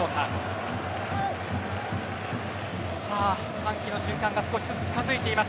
歓喜の瞬間が少しずつ近づいています。